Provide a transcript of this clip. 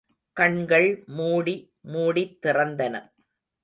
கண்கள் மூடி மூடித்திறந்தன.